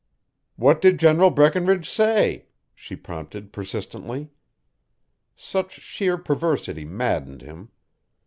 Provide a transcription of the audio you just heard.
"What did General Breckinridge say?" She prompted persistently. Such sheer perversity maddened him.